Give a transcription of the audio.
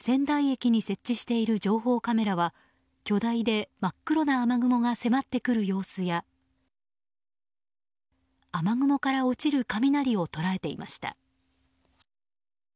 仙台駅に設置している情報カメラは巨大で真っ黒な雨雲が迫ってくる様子や雨雲から落ちる雷を捉えていました。